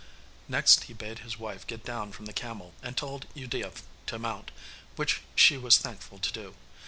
Next he bade his wife get down from the camel, and told Udea to mount, which she was thankful to do.